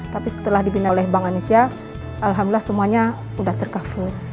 tapi setelah dibina oleh bank anisyah alhamdulillah semuanya sudah tercover